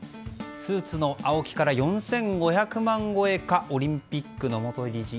スーツのＡＯＫＩから４５００万超えかオリンピックの元理事